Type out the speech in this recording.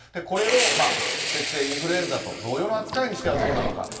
これを季節性インフルエンザと同様の扱いにしてはどうか。